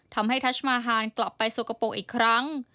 ทำให้ทัชมาฮาลกลับไปสุขโปร์อีกครั้ง